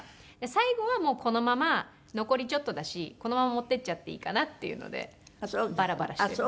最後はこのまま残りちょっとだしこのまま持っていっちゃっていいかなっていうのでバラバラしている。